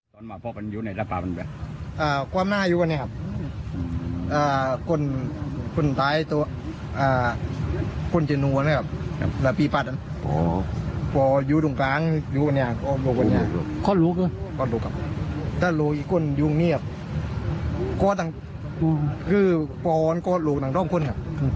ก็ลุกทั้งสามคนอยู่ในผ้าเต้น